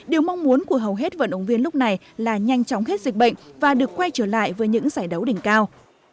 điều mong muốn của hầu hết vận động viên lúc này là nhanh chóng hết dịch bệnh và được quay trở lại với những giải đấu đỉnh cao